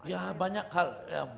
ya banyak hal